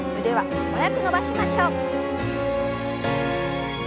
腕は素早く伸ばしましょう。